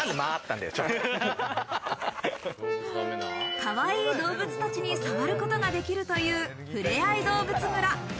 かわいい動物たちに触ることができるというふれあい動物村。